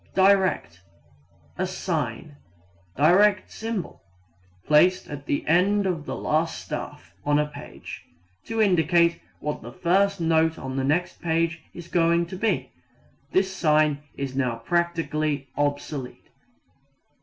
Direct a sign ([direct symbol]) placed at the end of the last staff on a page, to indicate what the first note on the next page is going to be. This sign is now practically obsolete.